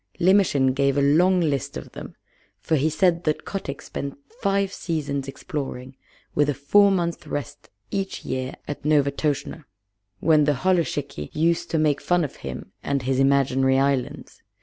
Limmershin gave a long list of them, for he said that Kotick spent five seasons exploring, with a four months' rest each year at Novastoshnah, when the holluschickie used to make fun of him and his imaginary islands.